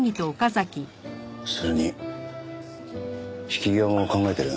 それに引き際も考えてる。